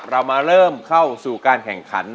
เรามาเริ่มเข้าสู่การแข่งขัน